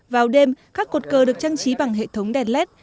vào đêm các cột cờ được trang trí bằng hệ thống đèn led